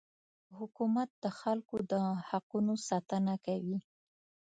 حکومت د خلکو د حقونو ساتنه کوي.